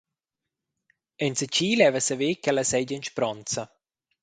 Enzatgi leva saver ch’ella seigi en speronza.